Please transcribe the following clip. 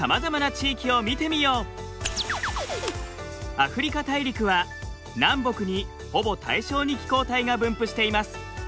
アフリカ大陸は南北にほぼ対称に気候帯が分布しています。